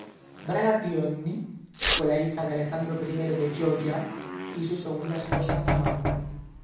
Bagrationi fue la hija de Alejandro I de Georgia y su segunda esposa Tamar.